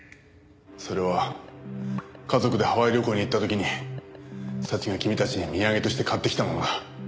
それは家族でハワイ旅行に行った時に早智が君たちに土産として買ってきたものだ。